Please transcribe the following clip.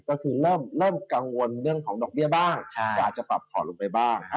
ก็คือเริ่มกังวลเรื่องของดอกเบี้ยบ้างกว่าจะปรับผ่อนลงไปบ้าง